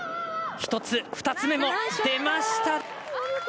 １つ、２つ目も出ました。